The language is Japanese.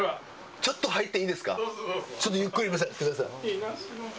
ちょっと入っていいですか？